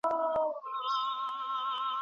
د یو بې ګناه انسان وژنه د ټول انسانیت وژنه ده